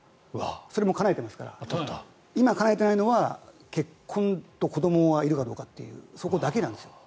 それもかなえていますから今、かなえていないのは結婚と子どもがいるかどうかっていうそこだけなんです。